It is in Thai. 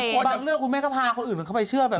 บางเรื่องคุณแม่ก็พาคนอื่นเข้าไปเชื่อแบบ